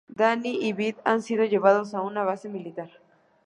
Danny y Beth han sido llevados a una base militar.